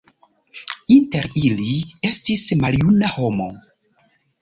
Inter ili estis maljuna homo.